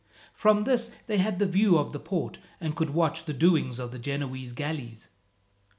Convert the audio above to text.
From this they had a view of the port, and could watch the doings of the Genoese galleys.